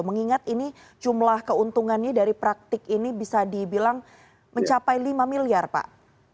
mengingat ini jumlah keuntungannya dari praktik ini bisa dibilang mencapai lima miliar pak